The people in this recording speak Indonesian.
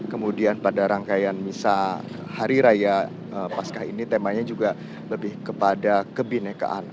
kemudian pada rangkaian misa hari raya pascah ini temanya juga lebih kepada kebinekaan